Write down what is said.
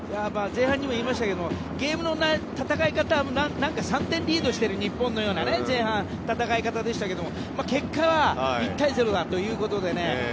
前半にも言いましたがゲームの戦い方は３点リードしている日本のような前半は、戦い方でしたけれども結果は、１対０だということで。